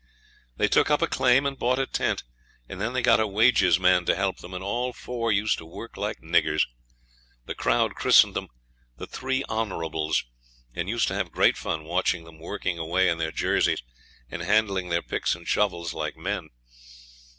They took up a claim, and bought a tent. Then they got a wages man to help them, and all four used to work like niggers. The crowd christened them 'The Three Honourables', and used to have great fun watching them working away in their jerseys, and handling their picks and shovels like men.